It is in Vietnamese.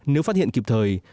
nếu phát hiện kịp thời